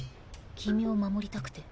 君を守りたくて。